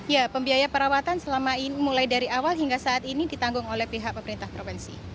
ya pembiayaan perawatan mulai dari awal hingga saat ini ditanggung oleh pihak pemerintah provinsi